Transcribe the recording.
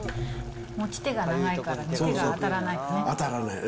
持ち手が長いから、手が当たらないよね。